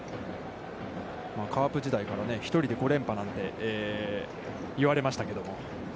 カープ時代から１人で５連覇なんて言われましたけども。